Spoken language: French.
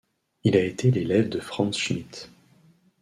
Il a été l’élève de Franz Schmidt.